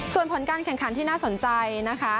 ส่วนผลการแข่งขันที่น่าสนใจนะคะ